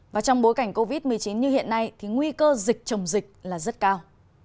và trong bối cảnh covid một mươi chín như hiện nay thì nguy cơ dịch chồng dịch là rất cao